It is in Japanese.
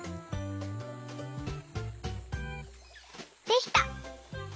できた！